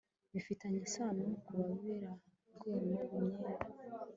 bifitanye isano ku baberewemo imyenda